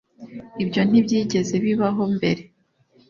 Ibyo ntibyigeze bibaho mbere